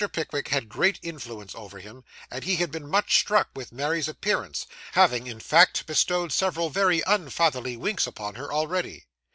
Pickwick had great influence over him, and he had been much struck with Mary's appearance; having, in fact, bestowed several very unfatherly winks upon her, already.